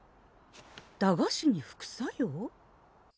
駄菓子に副作用？